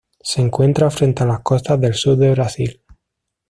Se encuentra frente a las costas del sur de Brasil.